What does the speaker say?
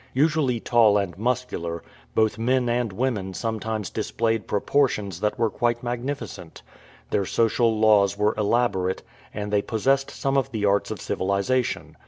Usually tall and muscular, both men and women sometimes displayed pro 312 KING GEORGE OF TONGA portions that were quite magnificent. Their social laws were elaborate, and thej possessed some of the arts of civilization.